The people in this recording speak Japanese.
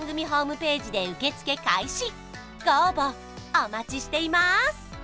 お待ちしています！